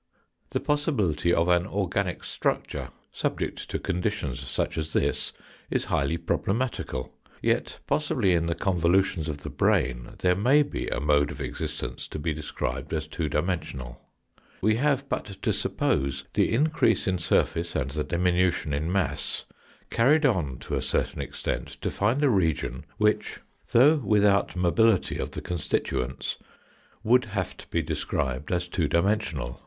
The possibility of an organic structure, subject to conditions such as this, is highly problematical ; yet, possibly in the convolutions of the brain there may be a mode of existence to be described as two dimensional. We have but to suppose the increase in surface and the diminution in mass carried on to a certain extent to fi, nd a region which, though without mobility of the 74 THE FOURTH DIMENSION constituents, would have to be described as two dimensional.